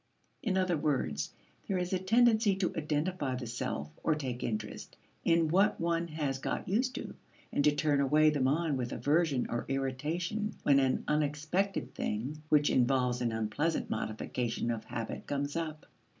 In other words, there is a tendency to identify the self or take interest in what one has got used to, and to turn away the mind with aversion or irritation when an unexpected thing which involves an unpleasant modification of habit comes up.